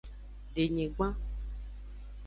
Denyigban.